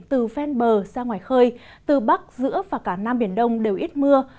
từ ven bờ sang ngoài khơi từ bắc giữa và cả nam biển đông đều ít mưa